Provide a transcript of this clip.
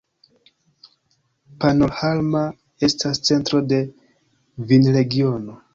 Pannonhalma estas centro de vinregiono.